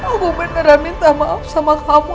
aku beneran minta maaf sama kamu